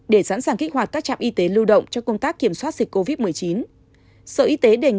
để sẵn sàng kích hoạt các trạm y tế lưu động cho công tác kiểm soát dịch covid một mươi chín